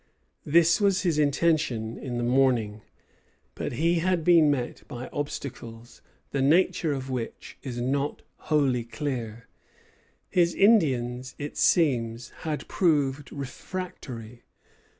This was his intention in the morning; but he had been met by obstacles, the nature of which is not wholly clear. His Indians, it seems, had proved refractory.